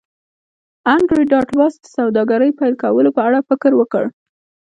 انډریو ډاټ باس د سوداګرۍ پیل کولو په اړه فکر وکړ